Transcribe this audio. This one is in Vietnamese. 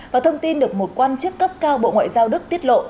và thông tin được một quan chức cấp cao bộ ngoại giao đức tiết lộ